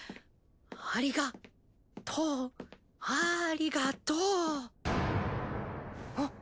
ありがとうありがとう。えっ？